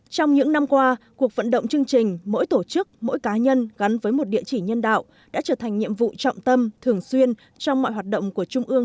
trong những năm qua cuộc vận động chương trình mỗi tổ chức mỗi cá nhân gắn với một địa chỉ nhân đạo đã trở thành nhiệm vụ trọng tâm thường xuyên trong mọi hoạt động của trung ương